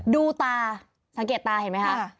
ดูตาสังเกตตาเห็นไหมคะ